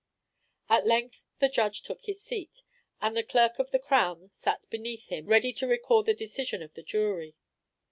At length the judge took his seat, and the clerk of the crown sat beneath him ready to record the decision of the jury.